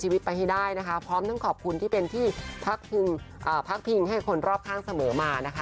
ไปให้ได้นะคะพร้อมทั้งขอบคุณที่เป็นที่พักพิงให้คนรอบข้างเสมอมานะคะ